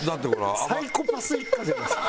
サイコパス一家じゃないですか。